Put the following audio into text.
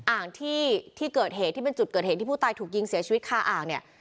อ่างที่ที่เกิดเหตุที่เป็นจุดเกิดเหตุที่ผู้ตายถูกยิงเสียชีวิตคาอ่างเนี่ย